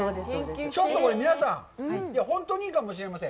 ちょっとこれ皆さん、本当にいいかもしれません。